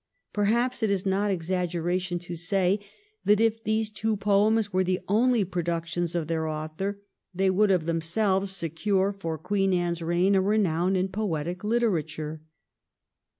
Perhaps it is not exaggera tion to say that if these two poems were the only productions of their author they would of themselves secure for Queen Anne's reign a renown in poetic literature.